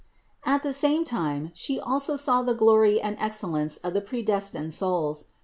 At the same time She also saw the glory and excellence of the predestined souls.